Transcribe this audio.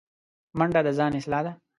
منډه د ځان اصلاح ده